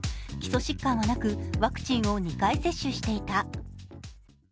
基礎疾患はなく、ワクチンを２回接種していた。